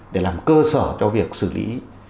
để làm cơ sở cho việc xử lý